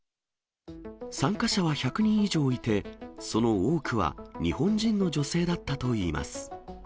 参加者は１００人以上いて、その多くは日本人の女性だったといいます。